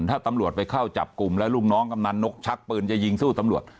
ถ้าตำรวจไปเข้าจับกลุ่มแล้วลูกน้องกำนันนกชักปืนจะยิงสู้ตำรวจ